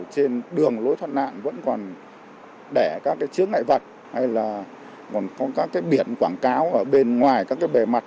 trên đường lối thoát nạn vẫn còn đẻ các chứa ngại vật hay là còn có các biển quảng cáo ở bên ngoài các bề mặt